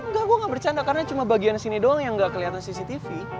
enggak gue gak bercanda karena cuma bagian sini doang yang gak kelihatan cctv